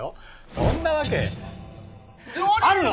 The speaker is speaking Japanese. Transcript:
そんなわけあるの！？